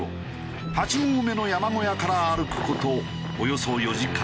８合目の山小屋から歩く事およそ４時間。